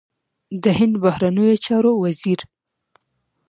د هند بهرنیو چارو وزیر